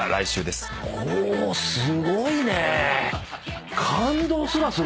すごいね。